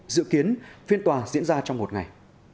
dự kiến phiên tòa diễn ra trong một ngày